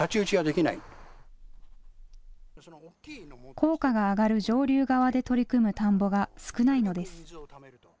効果が上がる上流側で取り組む田んぼが少ないのです。